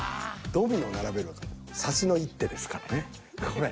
ドミノ並べろって指しの一手ですからねこれ。